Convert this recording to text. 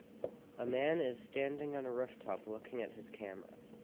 A man is standing on a rooftop looking at his camera.